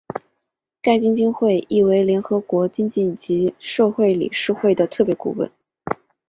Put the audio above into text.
该基金会亦为联合国经济及社会理事会的特别顾问。